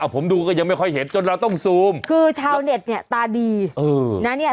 ผมดูก็ยังไม่ค่อยเห็นจนเราต้องซูมคือชาวเน็ตเนี่ยตาดีเออนะเนี่ย